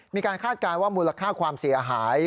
คาดการณ์ว่ามูลค่าความเสียหาย